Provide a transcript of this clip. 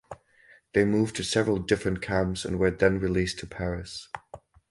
They moved to several different camps and were then released to Paris.